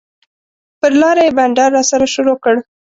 پر لاره یې بنډار راسره شروع کړ.